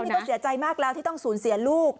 นี่ก็เสียใจมากแล้วที่ต้องสูญเสียลูก